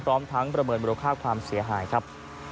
ร้องทั้งประเมินบริโตภาคความเสียหายครับ